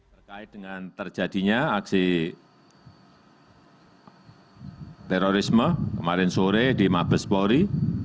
terkait dengan terjadinya aksi terorisme kemarin sore di mabespori